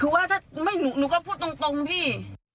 คือว่าถ้าหนูก็พูดตรงพี่